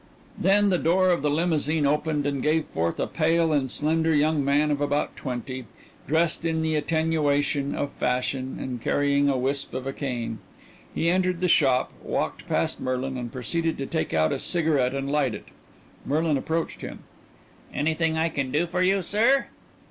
Then the door of the limousine opened and gave forth a pale and slender young man of about twenty, dressed in the attenuation of fashion and carrying a wisp of a cane. He entered the shop, walked past Merlin, and proceeded to take out a cigarette and light it. Merlin approached him. "Anything I can do for you, sir?"